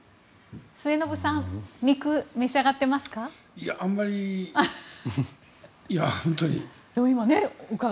末延さん、お肉は召し上がっていますか？